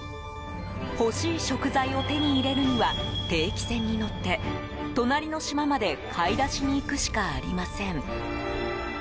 欲しい食材を手に入れるには定期船に乗って隣の島まで買い出しに行くしかありません。